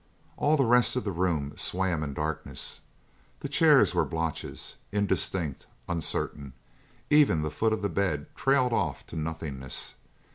All the rest of the room swam in darkness. The chairs were blotches, indistinct, uncertain; even the foot of the bed trailed off to nothingness.